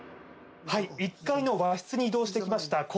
はい１階の和室に移動してきました